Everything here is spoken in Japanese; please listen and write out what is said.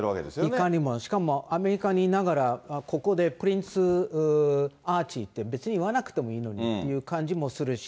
いかにも、しかもアメリカにいながら、ここでプリンス・アーチーって別に言わなくてもいいのにっていう感じもするし。